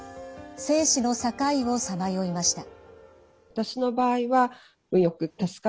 生死の境をさまよいました。